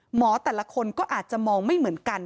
หมอแต่ละคนก็อาจจะมองไม่เหมือนกัน